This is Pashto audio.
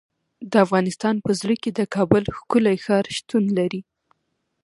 د افغانستان په زړه کې د کابل ښکلی ښار شتون لري.